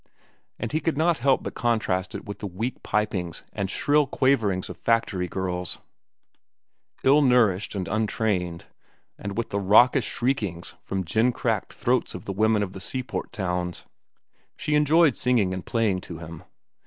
And he could not help but contrast it with the weak pipings and shrill quaverings of factory girls, ill nourished and untrained, and with the raucous shriekings from gin cracked throats of the women of the seaport towns. She enjoyed singing and playing to him.